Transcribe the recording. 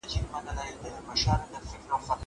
زه به درسونه لوستي وي.